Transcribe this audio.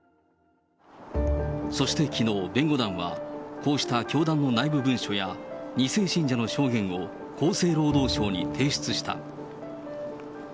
そしてきのう、弁護団は、こうした教団の内部文書や、２世信者の証言を厚生労働省に提出した。